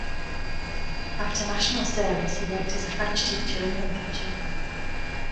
After national service he worked as a French teacher in Lincolnshire.